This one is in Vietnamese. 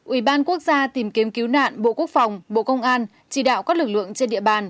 ủy ban quốc gia tìm kiếm cứu nạn bộ quốc phòng bộ công an chỉ đạo các lực lượng trên địa bàn